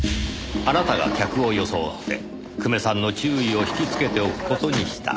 あなたが客を装って久米さんの注意を引きつけておく事にした。